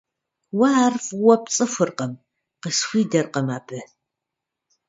— Уэ ар фӀыуэ пцӀыхуркъым, — къысхуидэркъым абы.